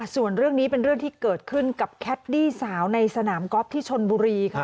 ส่วนเรื่องนี้เป็นเรื่องที่เกิดขึ้นกับแคดดี้สาวในสนามกอล์ฟที่ชนบุรีค่ะ